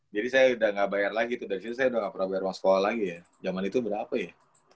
jadi saya udah gak bayar lagi tuh dari situ saya udah gak pernah bayar uang sekolah lagi ya jaman itu berapa ya